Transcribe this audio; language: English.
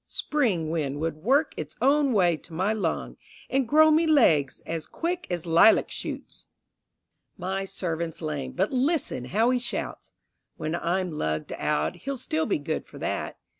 Spring wind would work its own way to my lung, And grow me legs as quick as lilac shoots. My servant's lamed, but listen how he shouts! When I'm lugged out, he'll still be good for that.